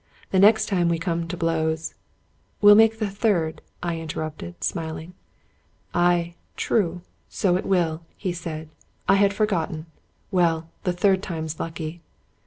The next time we come to blows "" Will make the third," I interrupted, smiling. " Aye, true ; so it will," he said. " I had forgotten. Well, the third time's lucky."